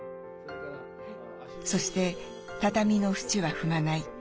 そして畳の縁は踏まない。